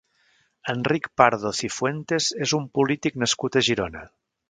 Enric Pardo Cifuentes és un polític nascut a Girona.